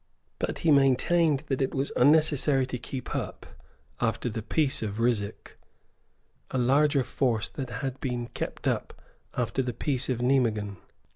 But he maintained that it was unnecessary to keep up, after the peace of Ryswick, a larger force than had been kept up after the peace of Nimeguen.